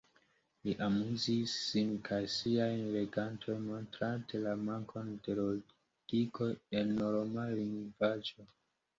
Li amuzis sin kaj siajn legantojn, montrante la mankon de logiko en normala lingvaĵo.